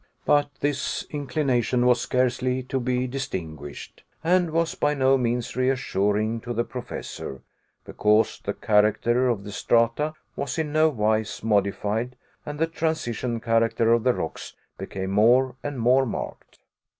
But this inclination was scarcely to be distinguished, and was by no means reassuring to the Professor, because the character of the strata was in no wise modified, and the transition character of the rocks became more and more marked.